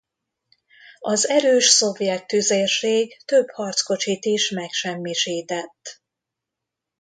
Az erős szovjet tüzérség több harckocsit is megsemmisített.